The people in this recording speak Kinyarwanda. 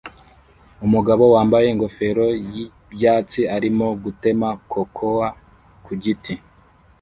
Umugabo wambaye ingofero y'ibyatsi arimo gutema cocout ku giti